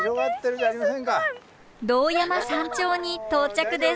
堂山山頂に到着です。